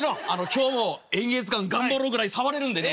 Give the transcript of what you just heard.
今日も「演芸図鑑」頑張ろうぐらい触れるんでね